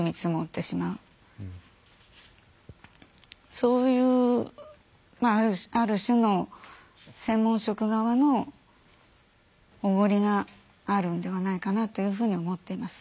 そういうある種の専門職側のおごりがあるんではないかなというふうに思っています。